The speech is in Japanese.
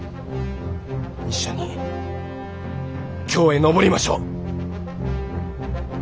一緒に京へ上りましょう！